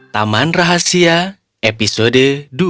taman rahasia episode dua